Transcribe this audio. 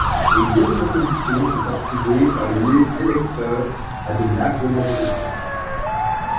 Les deux propositions sont approuvées par les électeurs à de larges majorités.